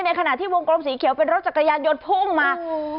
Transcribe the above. ในขณะที่วงกลมสีเขียวเป็นรถจักรยานยดพุ่งมา